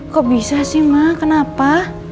kok bisa sih mak kenapa